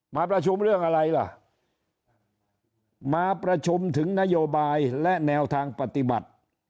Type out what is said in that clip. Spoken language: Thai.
มาประชุมเรื่องอะไรล่ะมาประชุมถึงนโยบายและแนวทางปฏิบัติ